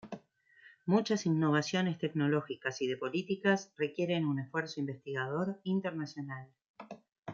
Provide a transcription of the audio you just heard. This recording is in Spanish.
Muchas innovaciones tecnológicas y de políticas requieren un esfuerzo investigador internacional.